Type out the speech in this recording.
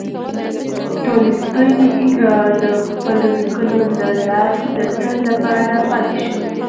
تولستوی د خپلو لیکنو له لارې د تل لپاره پاتې شو.